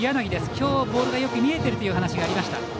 今日、ボールがよく見えているという話がありました。